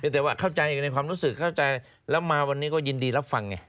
แต่ว่าเข้าใจในความรู้สึกเข้าใจแล้วมาวันนี้ก็ยินดีรับฟังไง